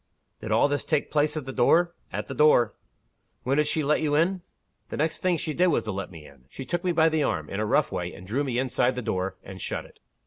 '" "Did all this take place at the door?" "At the door." "When did she let you in?" "The next thing she did was to let me in. She took me by the arm, in a rough way, and drew me inside the door, and shut it.